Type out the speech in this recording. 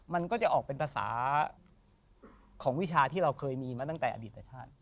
มันก็จะออกเป็นภาษาของวิชาที่เราเคยมีมาตั้งแต่อดีตแต่ชาติ